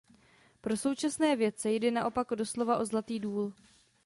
Pro současné vědce jde naopak doslova o zlatý důl.